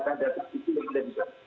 itu yang ada di becawe